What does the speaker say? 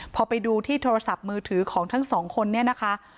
พอไปดูที่โทรศัพท์มือถือของทั้งสองคนเนี่ยนะคะ